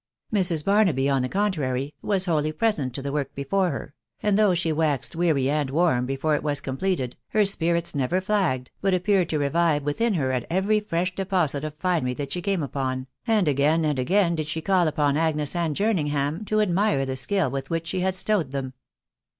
Mrs. Barnaby, on the contrary, was wholly present to the work before her; and though she waxed weary and warm before it was completed, her spirits never flagged, but ap peared to revive within her at every fresh deposit of finery that she came upon, and again and again did the call upon Agnes and Jerningham to admire the skill with which the had stowed them.